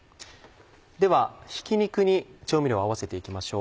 ではひき肉に調味料を合わせていきましょう。